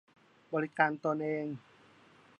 บริการตนเอง